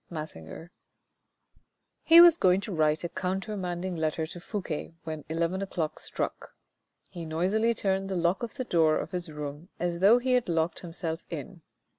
— Massinger. He was going to write a countermanding letter to Fouque when eleven o'clock struck. He noisily turned the lock of the door of his room as though he had locked himself in.